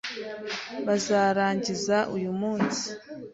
Bazarangiza uyu munsi.